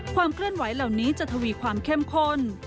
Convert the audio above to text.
ความเคลื่อนไหวเหล่านี้จะทวีความเข้มข้น